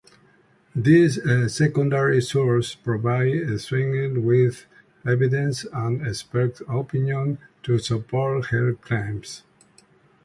These secondary sources provide Sweigert with evidence and expert opinions to support her claims.